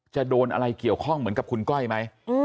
จะโดนอะไรเกี่ยวข้องเหมือนกับคุณก้อยไหม